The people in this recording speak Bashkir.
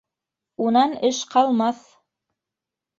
— Унан эш ҡалмаҫ.